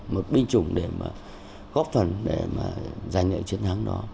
một binh chủng để mà góp phần để mà giành lại chiến thắng đó